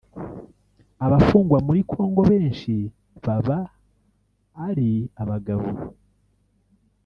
Abafungwa muri Congo benshi baba ari abagabo